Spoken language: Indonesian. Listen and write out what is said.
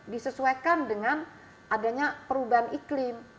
disesuaikan dengan adanya perubahan iklim